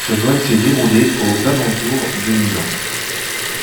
Ce vol s'est déroulé aux alentours de Milan.